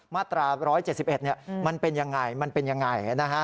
มาตรา๑๗๑มันเป็นอย่างไรนะฮะ